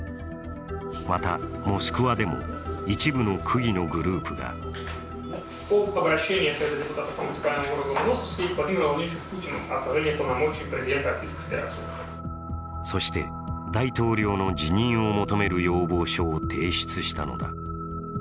また、モスクワでも一部の区議のグループがそして、大統領の辞任を求める要望書を提出したのだ。